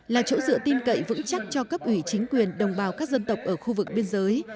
là chỗ dựa tin cậy vững chắc cho cấp ủy chính quyền đồng bào các dân tộc ở khu vực biên giới